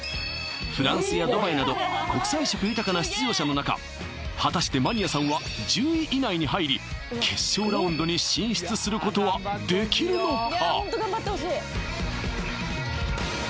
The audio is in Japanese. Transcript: フランスやドバイなど国際色豊かな出場者の中果たしてマニアさんは１０位以内に入り決勝ラウンドに進出することはできるのか？